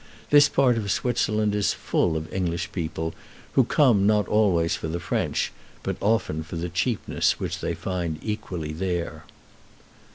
This part of Switzerland is full of English people, who come not always for the French, but often for the cheapness which they find equally there.